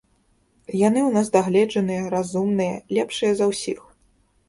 Яны ў нас дагледжаныя, разумныя, лепшыя за ўсіх.